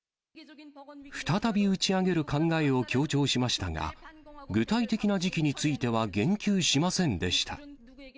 再び打ち上げる考えを強調しましたが、具体的な時期については言及しませんでした。